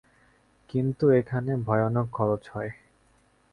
কিন্তু এখানে ভয়ানক খরচ হয়।